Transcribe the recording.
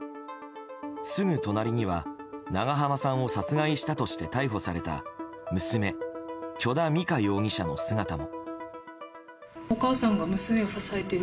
すぐ隣には長濱さんを殺害したとして逮捕された娘・許田美香容疑者の姿も。